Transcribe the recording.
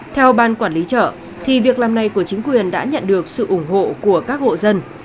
theo ban quản lý chợ thì việc làm này của chính quyền đã nhận được sự ủng hộ của các hộ dân